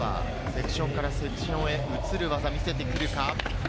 セクションからスイッチへ移る技を見せてくるか。